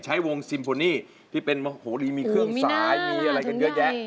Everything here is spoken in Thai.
ใช้วงซิมโฟนี่ที่เป็นมโหรีมีเครื่องสายมีอะไรกันเยอะแยะ